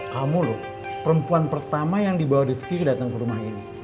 kamu lho perempuan pertama yang dibawa di fikir datang ke rumah ini